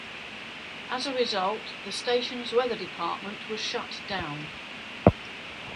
As a result, the station's weather department was shut down.